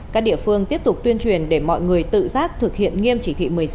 các địa phương tiếp tục tuyên truyền để mọi người tự giác thực hiện nghiêm chỉ thị một mươi sáu